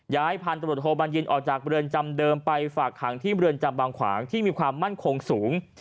พันตรวจโทบัญญินออกจากเรือนจำเดิมไปฝากขังที่เมืองจำบางขวางที่มีความมั่นคงสูง